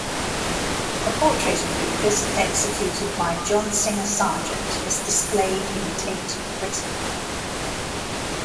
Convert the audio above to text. A portrait of Lucas executed by John Singer Sargent is displayed in Tate Britain.